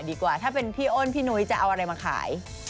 ดีกว่าถ้าเป็นพี่อ้นพี่นุ้ยจะเอาอะไรมาขาย